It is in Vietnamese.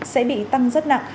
sẽ bị tăng rất nặng